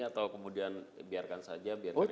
atau kemudian biarkan saja